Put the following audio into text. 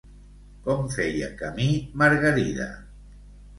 Com feia camí Margarida?